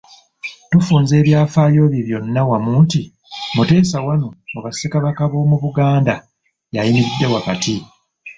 Tufunza ebyafaayo bye byonna wamu nti Mutesa I mu Bassekabaka b'omu Buganda y'ayimiridde wakati.